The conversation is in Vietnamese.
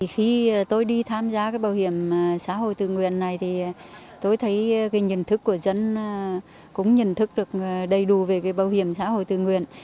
khi tôi đi tham gia cái bảo hiểm xã hội tự nguyện này thì tôi thấy nhận thức của dân cũng nhận thức được đầy đủ về bảo hiểm xã hội tự nguyện